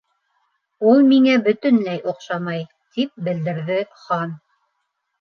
—Ул миңә бөтөнләй оҡшамай, —тип белдерҙе Хан.